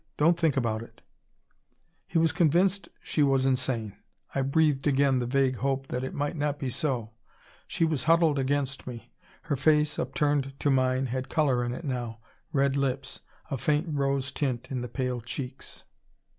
Don't think about it." He was convinced she was insane. I breathed again the vague hope that it might not be so. She was huddled against me. Her face, upturned to mine, had color in it now; red lips; a faint rose tint in the pale cheeks.